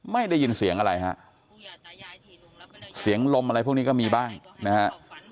ไม่ได้ยินเสียงอะไรฮะเสียงลมอะไรพวกนี้ก็มีบ้างนะฮะ